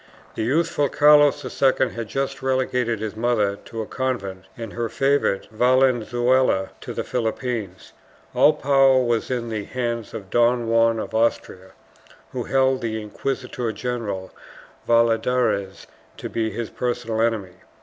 The youthful Carlos II had just relegated his mother to a convent and her favorite Valenzuela to the Philippines; all power was in the hands of Don Juan of Austria, who held the inquisitor general Valladares to be his personal enemy.